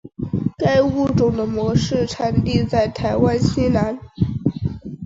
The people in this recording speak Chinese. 该物种的模式产地在台湾西南。